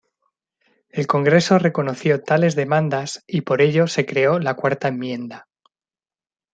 El Congreso reconoció tales demandas, y por ello se creó la Cuarta Enmienda.